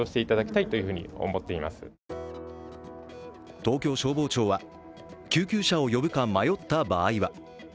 東京消防庁は救急車を呼ぶか迷った場合は＃